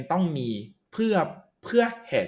ต้องมีเพื่อ